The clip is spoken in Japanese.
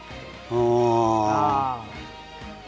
ああ。